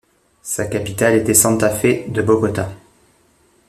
Sa capitale était Santa Fe de Bogota.